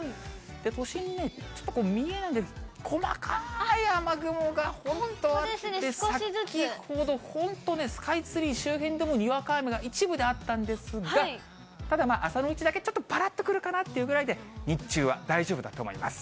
都心にちょっと見えないんですが、細かーい雨雲があって、本当に、先ほど本当、スカイツリー周辺でもにわか雨が一部であったんですが、ただ、朝のうちだけ、ちょっとぱらっとくるかなというぐらいで、日中は大丈夫だと思います。